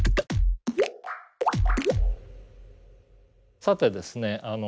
さてですね